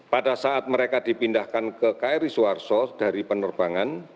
pada saat mereka dipindahkan ke kri suharto dari penerbangan